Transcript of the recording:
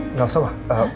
enggak usah ma